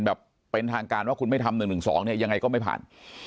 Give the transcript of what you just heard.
แบบเป็นทางการว่าคุณไม่ทำ๑๑๒เนี่ยยังไงก็ไม่ผ่าน